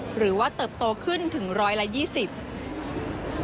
หรือว่าเติบโตขึ้นถึง๑๒๐ล้านบาท